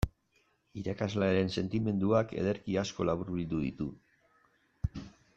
Irakaslearen sentimenduak ederki asko laburbildu ditu.